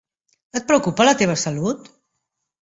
Et preocupa la teva salut?